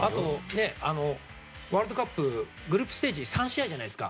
ワールドカップグループステージ３試合じゃないですか。